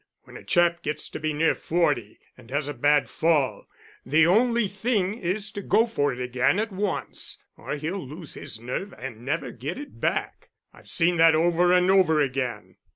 When a chap gets to be near forty and has a bad fall, the only thing is to go for it again at once, or he'll lose his nerve and never get it back. I've seen that over and over again."